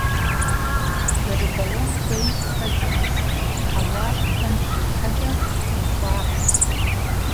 Зэрыбэуэн хуейр пэкӀэщ, хьэуар пэм щихьэкӀэ мэхуабэ.